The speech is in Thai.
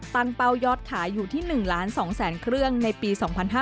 เป้ายอดขายอยู่ที่๑ล้าน๒แสนเครื่องในปี๒๕๕๙